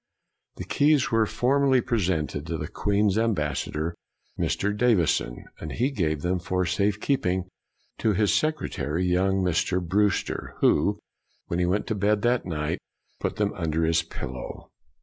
The keys were formally pre sented to the queen's ambassador, Mr. 191 1 92 BREWSTER Davison, and he gave them for safe keep ing to his secretary, young Mr. Brewster, who, when he went to bed that night, put them under his pillow.